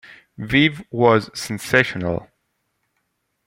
Viv was sensational.